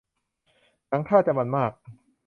หนังท่าจะมันส์มาก